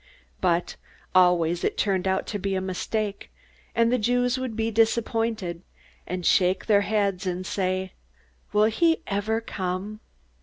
But always it turned out to be a mistake, and the Jews would be disappointed, and shake their heads, and say, "Will he ever come?"